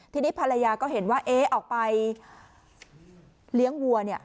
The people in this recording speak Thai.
ทีนี้ภรรยาก็เห็นว่าเอ๊ะออกไปเลี้ยงวัวเนี่ย